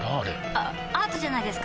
あアートじゃないですか？